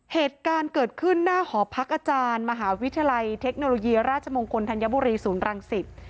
เหตุการณ์เกิดขึ้นหน้าหอพักอาจารย์มหาวิทยาลัยเทคโนโลยีราชมงคลธัญบุรีศูนย์รังสิต